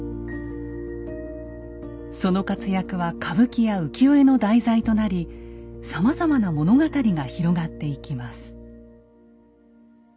その活躍は歌舞伎や浮世絵の題材となりさまざまな物語が広がっていきます。